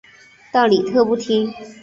但李特不听。